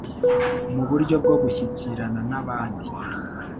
muburyo bwo gushyikirana n'abandi.